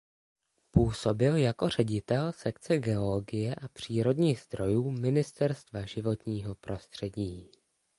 Působil jako ředitel sekce geologie a přírodních zdrojů Ministerstva životního prostředí.